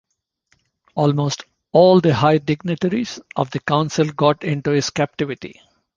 Almost all the high dignitaries of the council got into his captivity.